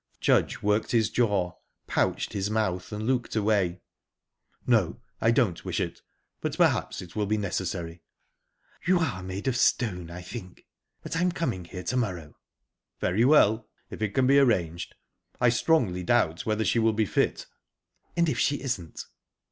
Judge worked his jaw, pouched his mouth, and looked away. "No, I don't wish it; but perhaps it will be necessary." "You are made of stone, I think. But I'm coming here to morrow." "Very well if it can be arranged. I strongly doubt whether she will be fit." "And if she isn't?"